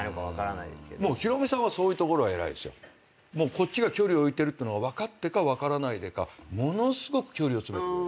こっちが距離を置いてるっての分かってか分からないでかものすごく距離を詰めてくる。